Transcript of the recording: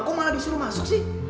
kok malah disuruh masuk sih